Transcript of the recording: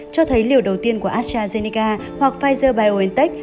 cho thấy liều đầu tiên của astrazeneca hoặc pfizer biontech